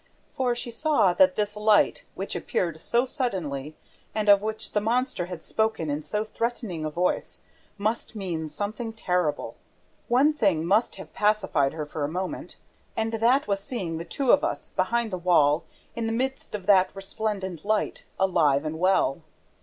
For she saw that this light, which appeared so suddenly and of which the monster had spoken in so threatening a voice, must mean something terrible. One thing must have pacified her for a moment; and that was seeing the two of us, behind the wall, in the midst of that resplendent light, alive and well.